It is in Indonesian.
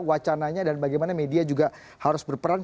wacananya dan bagaimana media juga harus berperan